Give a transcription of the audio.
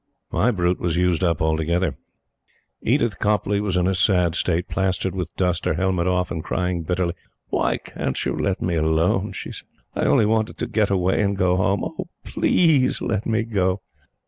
My brute was used up altogether. Edith Copleigh was in a sad state, plastered with dust, her helmet off, and crying bitterly. "Why can't you let me alone?" she said. "I only wanted to get away and go home. Oh, PLEASE let me go!"